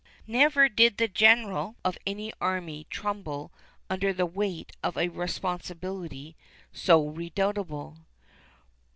Never did the general of an army tremble under the weight of a responsibility so redoubtable.